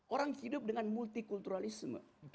orang hidup dengan multi kulturalisme